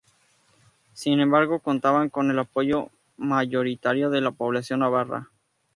Sin embargo contaban con el apoyo mayoritario de la población navarra.